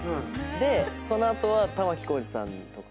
その後は玉置浩二さんとか。